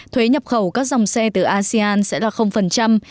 thuế nhập khẩu các dòng xe từ asean sẽ là